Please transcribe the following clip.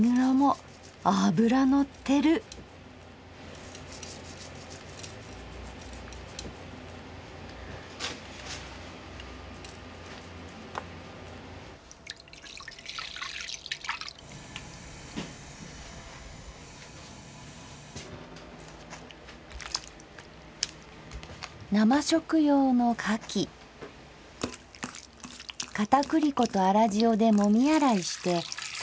かたくり粉と粗塩でもみ洗いしてサッとゆでます。